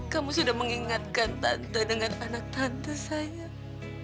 kamu sudah mengingatkan tante dengan anak tante saya